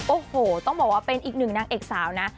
โอ้โหต้องบอกว่าเป็นอีกหนึ่งนางเอกสาวนะ